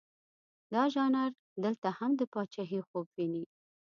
دا ژانر دلته هم د پاچهي خوب ویني.